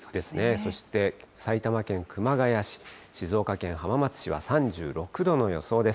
そして埼玉県熊谷市、静岡県浜松市は３６度の予想です。